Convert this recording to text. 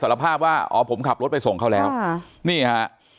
รับภาพว่าอ๋อผมขับรถไปส่งเขาแล้วนี่ฮะ